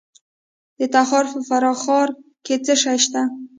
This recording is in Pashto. د تخار په فرخار کې څه شی شته؟